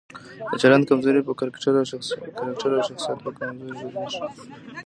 د چلند کمزوري په کرکټر او شخصیت په کمزورۍ بدليږي.